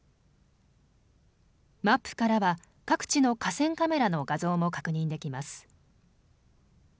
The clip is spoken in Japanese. マップからは各地の河川カメラの画像も確認できます。